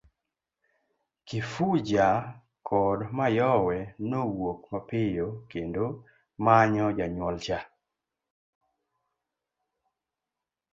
Kifuja kod Mayowe nowuok mapiyo kendo manyo janyuol cha.